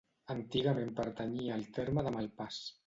Antigament pertanyia al terme de Malpàs.